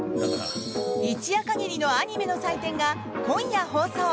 一夜限りのアニメの祭典が今夜放送。